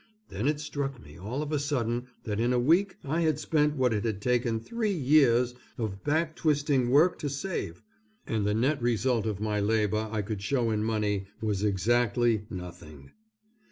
Then it struck me all of a sudden that in a week I had spent what it had taken three years of back twisting work to save, and that the net result of my labor I could show in money was exactly nothing.